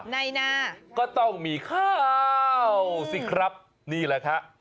ในนาก็ต้องมีข้าวสิครับนี่แหละครับ